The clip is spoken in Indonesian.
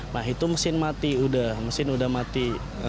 nah itu mesin mati udah mesin udah mati